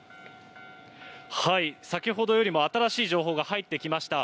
先ほどよりも新しい情報が入ってきました。